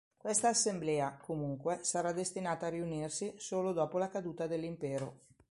Questa assemblea, comunque, sarà destinata a riunirsi solo dopo la caduta dell'impero.